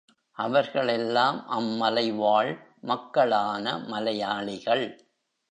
அவர்களெல்லாம் அம்மலை வாழ் மக்களான மலையாளிகள்.